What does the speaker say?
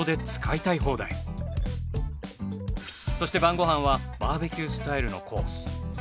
そして晩ご飯はバーベキュースタイルのコース。